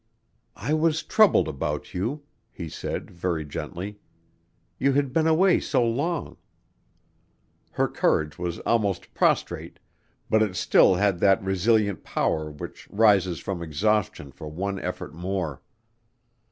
"I was troubled about you," he said very gently. "You had been away so long." Her courage was almost prostrate, but it still had that resilient power which rises from exhaustion for one effort more.